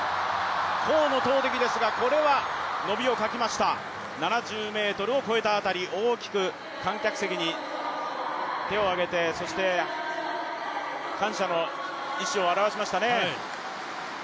胡の投てきですが、伸びを欠きました７０ｍを越えた辺り大きく観客席に手を上げてそして感謝の意思を表しましたね。